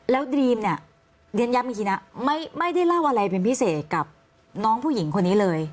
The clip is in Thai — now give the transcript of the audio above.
แล้วดรีมเนี่ยเรียนย้ำอีกทีนะไม่ได้เล่าอะไรเป็นพิเศษกับน้องผู้หญิงคนนี้เลย